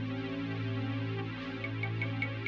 oh itu orangnya